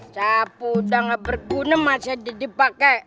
capu udah gak berguna masih dipake